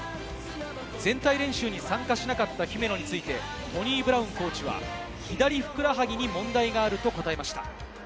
全体練習に参加しなかった姫野についてトニー・ブラウンコーチは、左ふくらはぎに問題があると答えました。